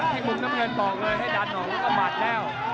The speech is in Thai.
มุมน้ำเงินบอกเลยให้ดันออกแล้วก็หมัดแล้ว